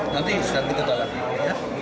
nanti kita ketahui